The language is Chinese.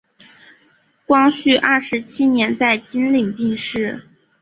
光绪二十七年在经岭病逝。